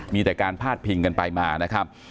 มีแต่การพาดพิงกันไปมานะครับ